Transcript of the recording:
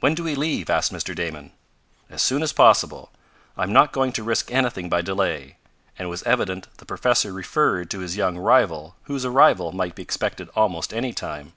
"When do we leave?" asked Mr. Damon. "As soon as possible. I am not going to risk anything by delay," and it was evident the professor referred to his young rival whose arrival might be expected almost any time.